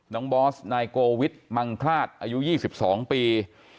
บอสนายโกวิทมังคลาดอายุ๒๒ปี